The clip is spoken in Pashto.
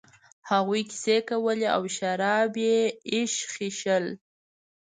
هغوی کیسې کولې او شراب یې ایشخېشل.